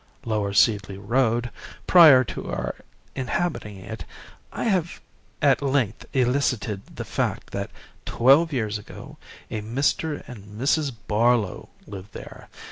Lower Seedley Road prior to our inhabiting it, I have at length elicited the fact that twelve years ago a Mr. and Mrs. Barlowe lived there.